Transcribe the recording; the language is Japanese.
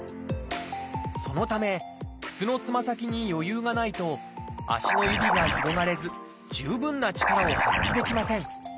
そのため靴のつま先に余裕がないと足の指が広がれず十分な力を発揮できません。